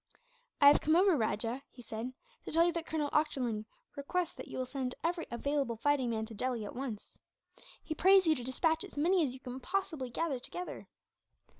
"I have come over, Rajah," he said, "to tell you that Colonel Ochterlony requests that you will send every available fighting man to Delhi, at once. He prays you to despatch as many as you can possibly gather together."